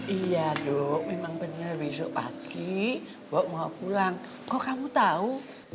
iya dok memang bener besok pagi mbak mau pulang kok kamu tau